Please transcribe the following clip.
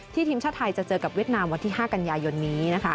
ทีมชาติไทยจะเจอกับเวียดนามวันที่๕กันยายนนี้นะคะ